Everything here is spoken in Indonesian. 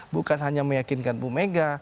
bukan hanya meyakinkan bu mega